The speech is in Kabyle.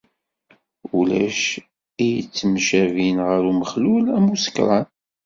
Ulac i yettemcabin ɣer umexlul am usekṛan.